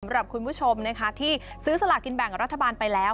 สำหรับคุณผู้ชมนะคะที่ซื้อสลากินแบ่งรัฐบาลไปแล้ว